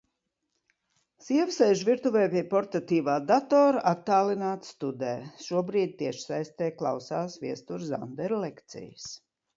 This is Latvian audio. Sieva sēž virtuvē pie portatīvā datora, attālināti studē. Šobrīd tiešsaistē klausās Viestura Zandera lekcijas.